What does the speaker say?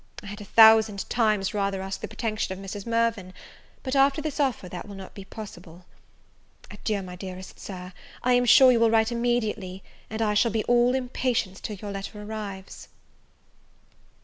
I had a thousand times rather ask the protection of Mrs. Mirvan, but, after this offer that will not be possible. Adieu, my dearest Sir. I am sure you will write immediately, and I shall be all impatience till your letter arrives.